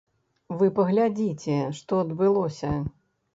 Вы паглядзіце, што адбылося.